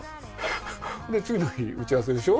で、次の日、打ち合わせでしょ。